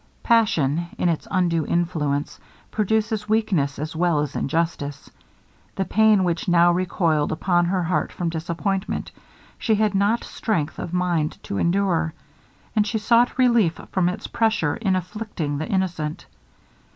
Passion, in its undue influence, produces weakness as well as injustice. The pain which now recoiled upon her heart from disappointment, she had not strength of mind to endure, and she sought relief from its pressure in afflicting the innocent.